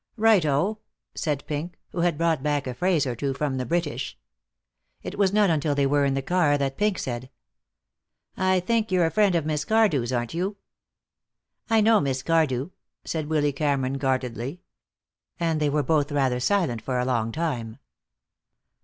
"Right o!" said Pink, who had brought back a phrase or two from the British. It was not until they were in the car that Pink said: "I think you're a friend of Miss Cardew's, aren't you?" "I know Miss Cardew," said Willy Cameron, guardedly. And they were both rather silent for a time.